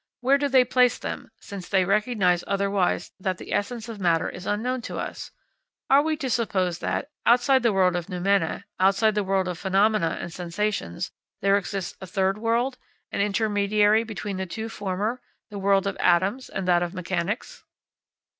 Where do they place them, since they recognise otherwise that the essence of matter is unknown to us? Are we to suppose that, outside the world of noumena, outside the world of phenomena and sensations, there exists a third world, an intermediary between the two former, the world of atoms and that of mechanics?